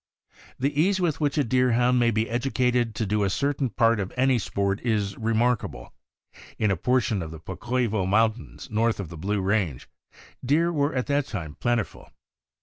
The ease with which a Deerhound may be educated to do a certain part of any sport is remarkable. In a portion of the Pocoivo Mountains, north of the Blue Range, deer were at that time plentiful.